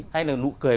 hay là nụ cười